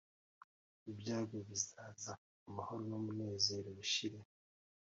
Ibyago bizaza amahoro n umunezero bishire